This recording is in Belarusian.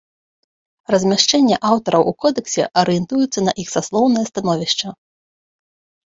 Размяшчэнне аўтараў у кодэксе арыентуецца на іх саслоўнае становішча.